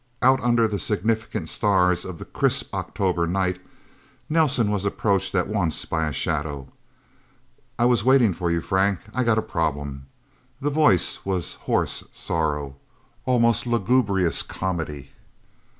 Out under the significant stars of the crisp October night, Nelsen was approached at once by a shadow. "I was waiting for you, Frank. I got a problem." The voice was hoarse sorrow almost lugubrious comedy.